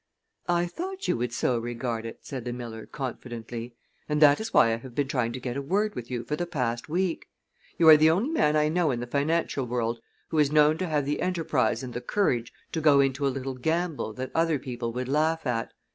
"I thought you would so regard it," said the miller, confidently, "and that is why I have been trying to get a word with you for the past week. You are the only man I know in the financial world who is known to have the enterprise and the courage to go into a little gamble that other people would laugh at.